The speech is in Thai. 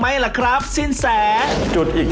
โอ้โฮ